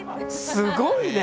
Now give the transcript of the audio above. すごいね。